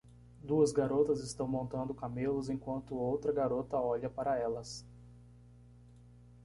Duas garotas estão montando camelos enquanto outra garota olha para elas.